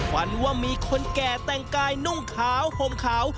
ฝันว่ามีคนแก่แต่งกายนุ่งขาวห่มขาว